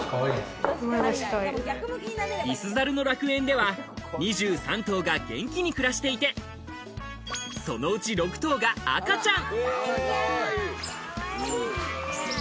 リスザルの楽園では、２３頭が元気に暮らしていて、そのうち６頭が赤ちゃん。